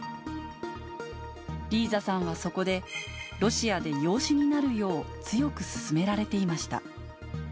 リーザさんはそこで、ロシアで養子になるよう強く勧められていました。